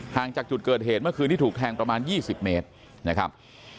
จากจุดเกิดเหตุเมื่อคืนที่ถูกแทงประมาณ๒๐เมตรนะครับ